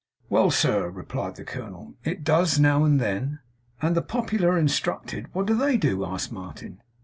'Well, sir!' replied the colonel. 'It does, now and then.' 'And the popular instructed what do they do?' asked Martin.